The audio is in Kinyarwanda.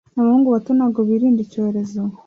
Abahungu bato ntago birinda icyorezo